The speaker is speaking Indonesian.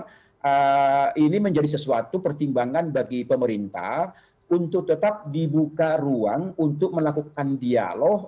jadi menjadi sesuatu pertimbangan bagi pemerintah untuk tetap dibuka ruang untuk melakukan dialog